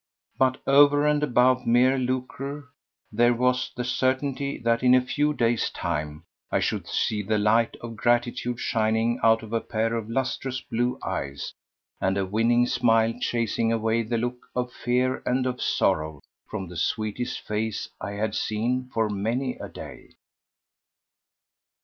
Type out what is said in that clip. But over and above mere lucre there was the certainty that in a few days' time I should see the light of gratitude shining out of a pair of lustrous blue eyes, and a winning smile chasing away the look of fear and of sorrow from the sweetest face I had seen for many a day.